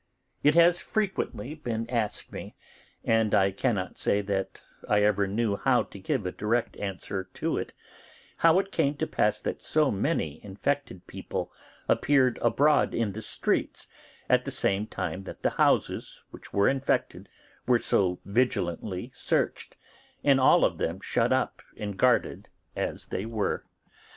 It has been frequently asked me, and I cannot say that I ever knew how to give a direct answer to it, how it came to pass that so many infected people appeared abroad in the streets at the same time that the houses which were infected were so vigilantly searched, and all of them shut up and guarded as they were.